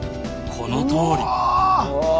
このとおり。